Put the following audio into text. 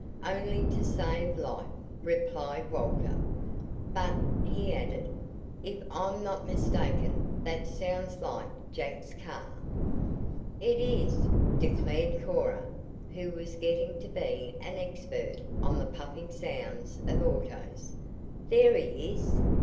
"Only to save life," replied Waiter. "But," he added, "if I'm not mistaken that sounds like Jack's car." "It is," declared Cora, who was getting to be an expert on the puffing sounds of autos. "There he is!"